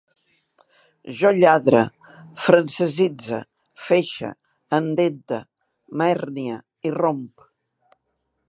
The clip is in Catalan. Jo lladre, francesitze, feixe, endente, m'hernie, irromp